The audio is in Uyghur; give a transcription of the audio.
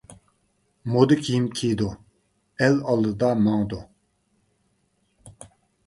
مودا كىيىم كىيىدۇ، ئەل ئالدىدا ماڭىدۇ.